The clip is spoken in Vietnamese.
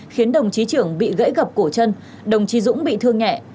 khiến đồng chí trường bị gãy gập cổ chân đồng chí dũng bị thương nhẹ